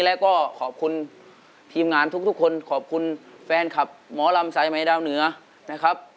แล้วก็ขอบคุณทีมงานทุกคนขอบคุณแฟนคลับหมอลำสายใหม่ดาวเหนือนะครับ